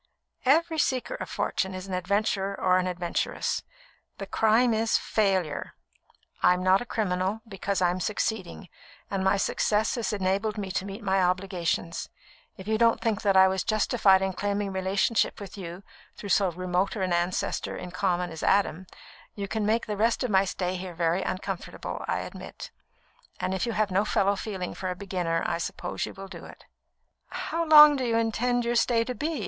"Every seeker of fortune is an adventurer or an adventuress. The crime is, failure. I'm not a criminal, because I am succeeding, and my success has enabled me to meet my obligations. If you don't think that I was justified in claiming relationship with you through so remote an ancestor in common as Adam, you can make the rest of my stay here very uncomfortable, I admit; and if you have no fellow feeling for a beginner, I suppose you will do it." "How long do you intend your stay to be?"